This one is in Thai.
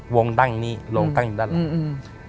วงตั้งอย่างนี้โรงตั้งอยู่ด้านหน้า